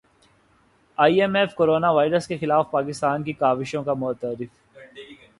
ائی M F corona virus کے خلاف پاکستان کی کاوشوں کا معترف